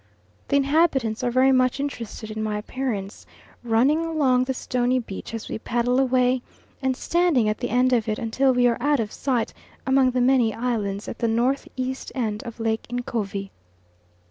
The inhabitants are very much interested in my appearance, running along the stony beach as we paddle away, and standing at the end of it until we are out of sight among the many islands at the N.E. end of Lake Ncovi.